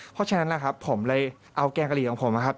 เพราะฉะนั้นนะครับผมเลยเอาแกงกะหรี่ของผมนะครับ